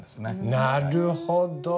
なるほど。